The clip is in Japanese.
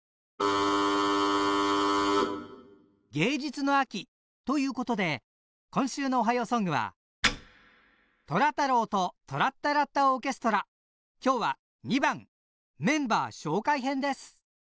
芸術の秋ということで今週の「おはようソング」は今日は２番メンバー紹介編です。